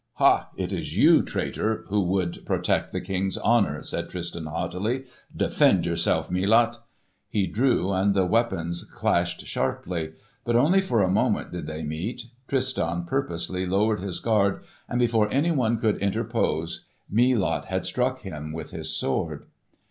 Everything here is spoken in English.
"Ha, it is you, traitor, who would protect the King's honour!" said Tristan haughtily. "Defend yourself, Melot!" He drew, and the weapons clashed sharply. But only for a moment did they meet. Tristan purposely lowered his guard, and before anyone could interpose, Melot had struck him with his sword.